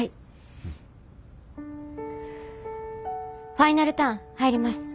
ファイナルターン入ります。